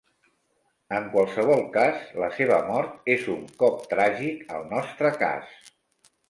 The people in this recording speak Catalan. En qualsevol cas, la seva mort és un cop tràgic al nostre cas.